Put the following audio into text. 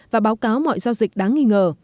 và báo cáo mọi giao dịch đáng nghi ngờ